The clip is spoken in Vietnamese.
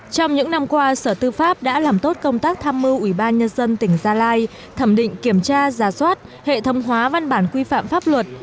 trong những năm qua sở tư pháp đã làm tốt công tác tham mưu ubnd tỉnh gia lai thẩm định kiểm tra giả soát hệ thâm hóa văn bản quy phạm pháp luật